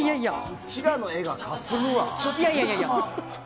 うちらの絵がかすむわ。